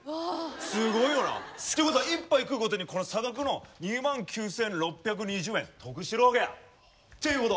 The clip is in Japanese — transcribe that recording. すごいよな。ってことは１杯食うごとにこの差額の２万９，６２０円得してるわけ。っていうこと！